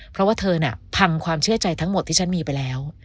เพราะว่าเธอน่ะพังความเชื่อใจทั้งหมดที่ฉันมีไปแล้ว